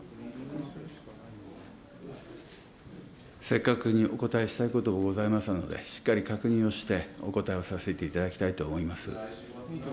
正確にお答えしたいことでございますので、しっかり確認をしてお答えをさせていただきたいと思います。